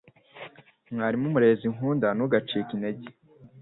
mwarimu murezi nkunda ntugacike intege